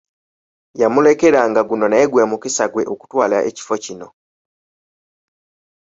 Yamulekera nga guno naye gwe mukisa gwe okutwala ekifo kino.